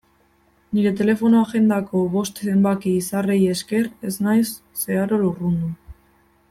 Nire telefono-agendako bost zenbaki izarrei esker ez naiz zeharo lurrundu.